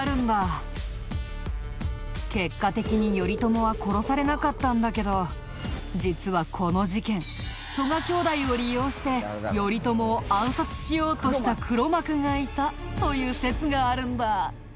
結果的に頼朝は殺されなかったんだけど実はこの事件曽我兄弟を利用して頼朝を暗殺しようとした黒幕がいたという説があるんだ。